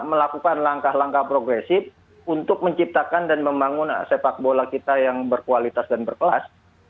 melakukan langkah langkah progresif untuk menciptakan dan membangun sepak bola kita yang berkualitas dan berkelas